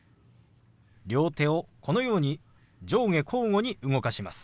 両手をこのように上下交互に動かします。